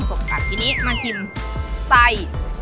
มันสกัดทีนี้มาชิมไส้